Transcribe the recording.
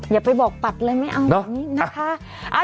อย่าไปบอกปัดเลยไม่เอาแบบนี้นะคะ